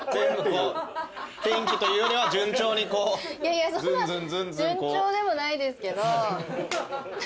いやそんな順調でもないですけど。